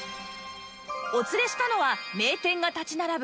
お連れしたのは名店が立ち並ぶ